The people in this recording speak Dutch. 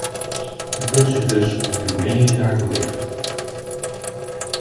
U kunt zich dus met uw meningen daartoe richten.